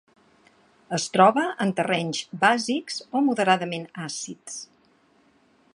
Es troba en terrenys bàsics o moderadament àcids.